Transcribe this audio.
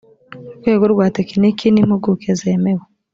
rwego rwa tekiniki n impuguke zemewe